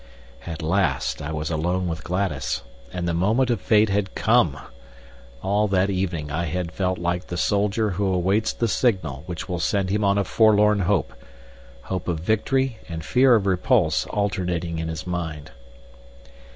At last I was alone with Gladys, and the moment of Fate had come! All that evening I had felt like the soldier who awaits the signal which will send him on a forlorn hope; hope of victory and fear of repulse alternating in his mind.